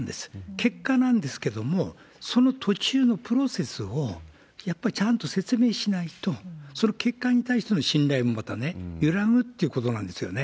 結果なんですけれども、その途中のプロセスをやっぱりちゃんと説明しないと、その結果に対しての信頼もまたね、揺らぐってことなんですよね。